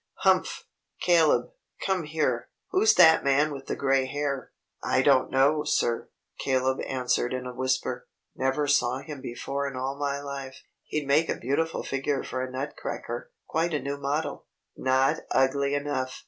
Humph, Caleb, come here! Who's that man with the gray hair?" "I don't know, sir," Caleb answered in a whisper. "Never saw him before in all my life. He'd make a beautiful figure for a nut cracker; quite a new model." "Not ugly enough!"